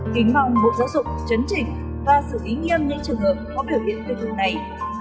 kính mong bộ giáo dục chấn trình và sự ý nghiêm những trường hợp có biểu hiện kết thúc này